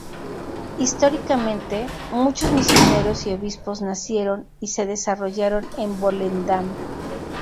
Históricamente, muchos misioneros y obispos nacieron y se desarrollaron en Volendam.